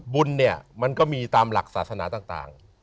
บุญเนี่ยมันก็มีตามหลักศาสนาต่าง